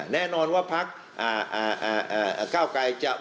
แน่นอนว่าพรรค